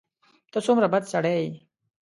ته څومره بد سړی یې !